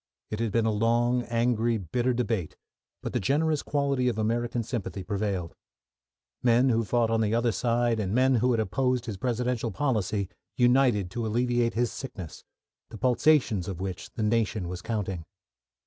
It had been a long, angry, bitter debate, but the generous quality of American sympathy prevailed. Men who fought on the other side and men who had opposed his Presidential policy united to alleviate his sickness, the pulsations of which the nation was counting.